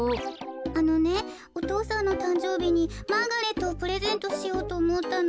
あのねお父さんのたんじょうびにマーガレットをプレゼントしようとおもったの。